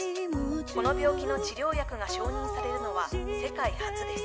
この病気の治療薬が承認されるのは世界初です